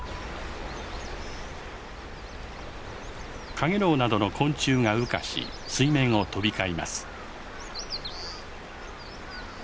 カゲロウなどの昆虫が羽化し水面を飛び交います。